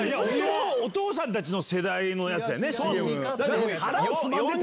お父さんたちの世代のやつだよね、ＣＭ。